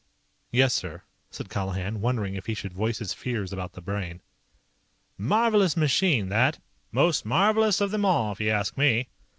"Yes, sir," said Colihan, wondering if he should voice his fears about the Brain. "Marvelous machine, that. Most marvelous of 'em all, if you ask me.